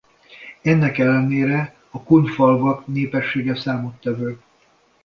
Ennek ellenére a kun falvak népessége számottevő.